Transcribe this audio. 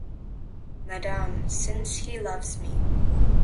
Madam, since he loves me.